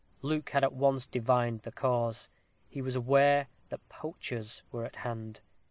Luke had at once divined the cause; he was aware that poachers were at hand.